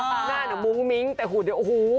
หน้าหนูมุ้งมิ้งแต่หุ่นโอ้โห